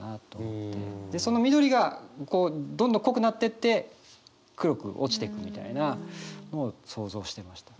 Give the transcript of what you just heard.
その緑がどんどん濃くなってって黒く落ちていくみたいなのを想像してました。